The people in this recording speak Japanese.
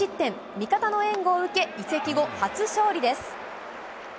味方の援護を受け、移籍後、初勝利です。